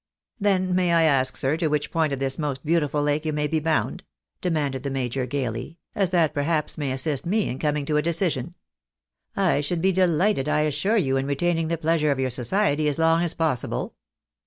" Then may I ask, sir, to which point of this most beautiful lake you may be bound," demanded the major, gaily, " as that perhaps may assist me in coming to a decision. I should bedelighted, I assure you, in retaining the pleasure of your society as long as possible."